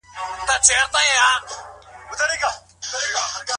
يو د بل د موخو د لاسته راوړلو لپاره همکاري وکړي.